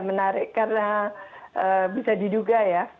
iya menarik karena bisa diduga ya friksi diantara kepala daerah dan pemerintah depok